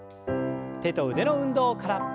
手と腕の運動から。